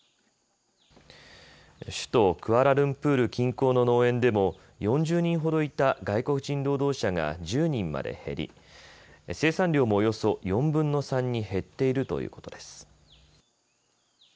首都クアラルンプール近郊の農園でも４０人ほどいた外国人労働者が１０人まで減り、生産量もおよそ４分の３に減っているということです。